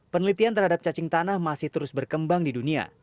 penelitian terhadap cacing tanah masih terus berkembang di dunia